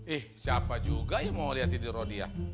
ih siapa juga yang mau liatin dia rodia